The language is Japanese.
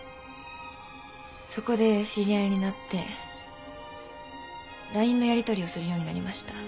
そこで知り合いになってＬＩＮＥのやりとりをするようになりました。